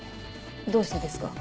どうしてですか？